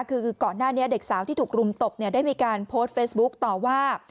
คือก่อนหน้านี้เด็กสาวที่ถูกรุมตบได้มีการโพสต์เฟซบุ๊คต่อว่า